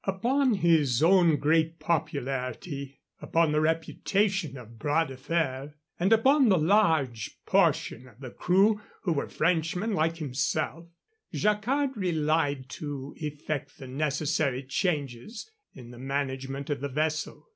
Upon his own great popularity, upon the reputation of Bras de Fer, and upon the large portion of the crew who were Frenchmen like himself, Jacquard relied to effect the necessary changes in the management of the vessel.